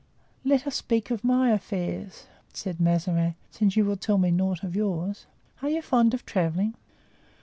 "Let us speak of my affairs," said Mazarin, "since you will tell me naught of yours. Are you fond of traveling?"